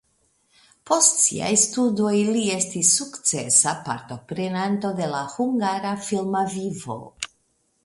Post siaj studoj li estis sukcesa partoprenanto de la hungara filma vivo.